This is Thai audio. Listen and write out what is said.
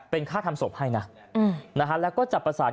เป็นค่าทำสมมุติให้แล้วก็จะประสาน